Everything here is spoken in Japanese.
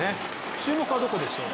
注目はどこでしょう？